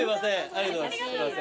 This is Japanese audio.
ありがとうございます。